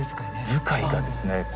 遣いがですね